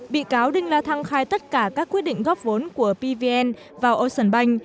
bị cáo đinh la thang khai tất cả các quy định góp vốn của pvn vào ocean bank